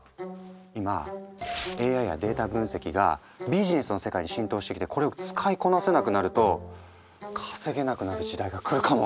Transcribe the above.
今ＡＩやデータ分析がビジネスの世界に浸透してきてこれを使いこなせなくなると稼げなくなる時代が来るかも。